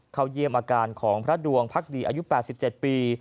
เข้าเยี่ยมอาการของพระดวงพักดีอายุ๘๗ปี